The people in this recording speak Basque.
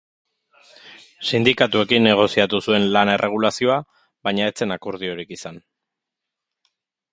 Sindikatuekin negoziatu zuen lan-erregulazioa, baina ez zen akordiorik izan.